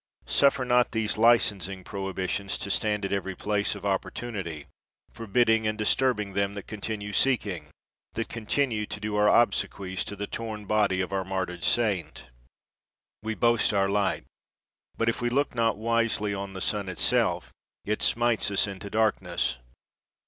Suffer not these licensing prohibitions to stand at every place of opportunity, forbid ding and disturbing them that continue seeking, that continue to do our obsequies to the torn body of our martyred saint. We boast our light ; but if we look not wisely on the sun itself, it smites us into darkness.